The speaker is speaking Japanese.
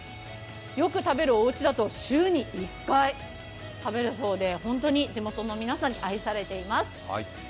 よく食べるおうちでと週に１回食べるそうで本当に地元の皆さんに愛されています。